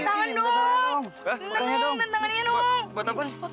luki minta tante tangan dong